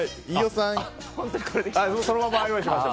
そのままご用意しました。